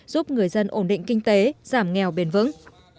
giúp người dân ổn định kinh tế giảm nghèo bền vững